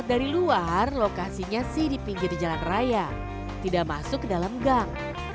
sekarang lokasinya sih di pinggir jalan raya tidak masuk ke dalam gang